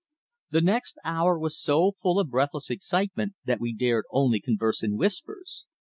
The next hour was so full of breathless excitement that we dared only converse in whispers.